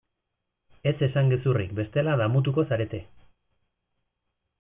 Ez esan gezurrik bestela damutuko zarete.